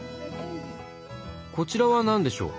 こちらは何でしょう？